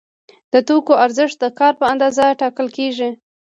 د توکو ارزښت د کار په اندازه ټاکل کیږي.